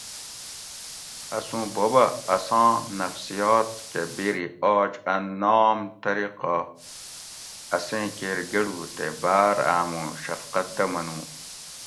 اسوں بوبہ اساں نفسیات کہ بِیری آج ا نام طریقہ اسیں کیر گۤڑو تے باۤر آمو شفقت دہ منو